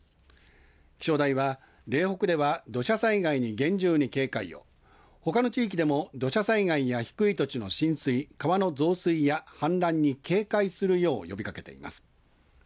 気象台は嶺北では土砂災害に厳重に警戒をほかの地域でも土砂災害や低い土地の浸水、川の増水や氾濫に警戒するよう呼びかけています。